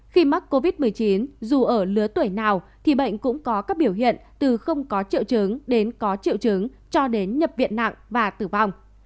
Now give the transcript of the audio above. khi mắc covid một mươi chín dù ở lứa tuổi nào thì bệnh cũng có các biểu hiện từ không có triệu chứng đến có triệu chứng cho đến nhập viện nặng và tử vong